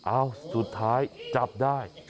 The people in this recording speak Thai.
เอ้าสุดท้ายจับได้